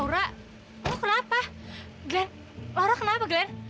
laura lo kenapa glenn laura kenapa glenn